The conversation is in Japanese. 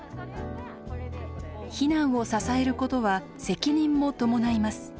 避難を支えることは責任も伴います。